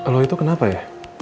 lo itu kenapa ya